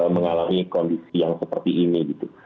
mengalami kondisi yang seperti ini gitu